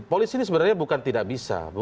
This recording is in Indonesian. polisi ini sebenarnya bukan tidak bisa